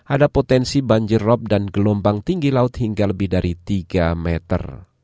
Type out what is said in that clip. ada potensi banjir rob dan gelombang tinggi laut hingga lebih dari tiga meter